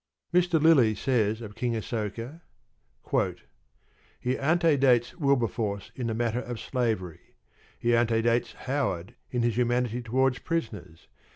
Mr. Lillie says of King Asoka: He antedates Wilberforce in the matter of slavery. He antedates Howard in his humanity towards prisoners.